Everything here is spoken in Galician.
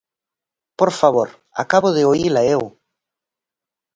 Por favor, acabo de oíla eu.